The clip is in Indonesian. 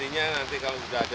apa akan diganti pak